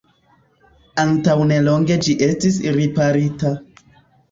Antaŭnelonge ĝi estis riparita.